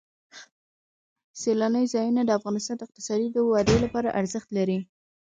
سیلانی ځایونه د افغانستان د اقتصادي ودې لپاره ارزښت لري.